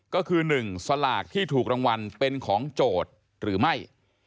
ก็คือ๑สลากที่ถูกรางวัลเป็นของโจทย์หรือไม่